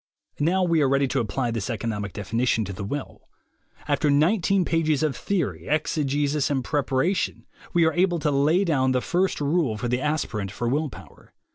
Now we are ready to apply this economic defini tion to the will. After nineteen pages of theory, exegesis and preparation, we are able to lay down the first rule for the aspirant for will power.